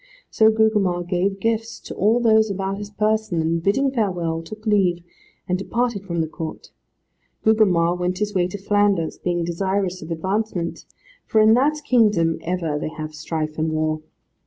So Gugemar gave gifts to all those about his person, and bidding farewell, took leave, and departed from the Court. Gugemar went his way to Flanders, being desirous of advancement, for in that kingdom ever they have strife and war.